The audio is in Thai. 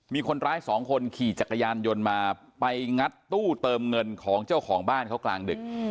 มีคนร้ายสองคนขี่จักรยานยนต์มาไปงัดตู้เติมเงินของเจ้าของบ้านเขากลางดึก